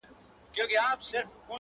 هغه د بل د كور ډېوه جوړه ده.